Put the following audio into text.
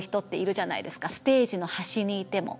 ステージの端にいても。